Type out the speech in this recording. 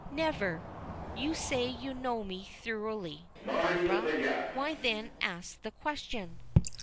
"Never. You say you know me thoroughly, Barbara; why then ask that question?"